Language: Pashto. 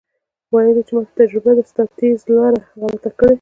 ویل یې چې ماته تجربه ده ستا ټیز لاره غلطه کړې.